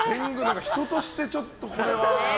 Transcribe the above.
人として、ちょっとこれは。